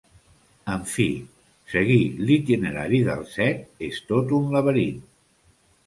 En fi, seguir l'itinerari del Set és tot un laberint.